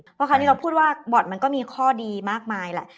เพราะคราวนี้เขาพูดว่าบ่อนมันก็มีข้อดีมากมายแหละ